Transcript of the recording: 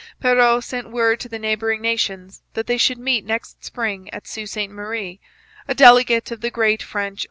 Perrot sent word to the neighbouring nations that they should meet next spring at Sault Sainte Marie a delegate of the great French Ononthio.